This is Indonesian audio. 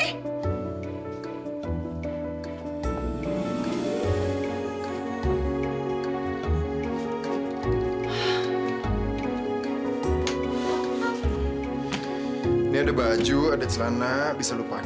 ini ada baju ada celana bisa lo pakain